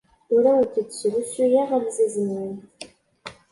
Ur awent-d-srusuyeɣ alzaz-nwent.